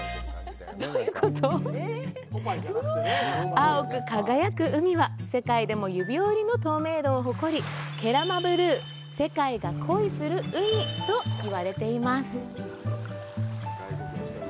青く輝く海は世界でも指折りの透明度を誇り、ケラマブルー、世界が恋する海と言われています。